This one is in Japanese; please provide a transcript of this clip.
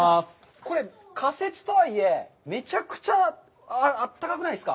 これ、仮設とはいえ、めちゃくちゃあったかくないですか？